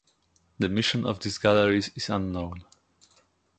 The mission of these galleries is unknown.